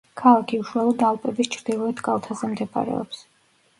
ქალაქი უშუალოდ ალპების ჩრდილოეთ კალთაზე მდებარეობს.